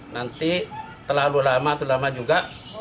nanti terlalu lama atau lama juga